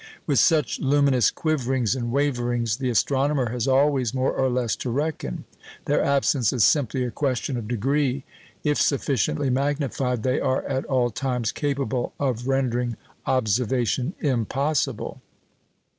With such luminous quiverings and waverings the astronomer has always more or less to reckon; their absence is simply a question of degree; if sufficiently magnified, they are at all times capable of rendering observation impossible.